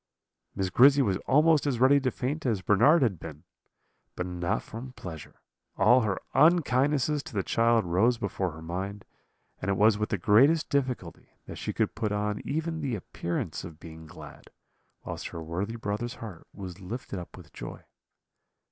"Miss Grizzy was almost as ready to faint as Bernard had been but not from pleasure; all her unkindnesses to the child rose before her mind, and it was with the greatest difficulty that she could put on even the appearance of being glad, whilst her worthy brother's heart was lifted up with joy.